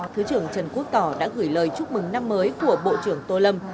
thứ trưởng trần quốc tỏ đã gửi lời chúc mừng năm mới của bộ trưởng tô lâm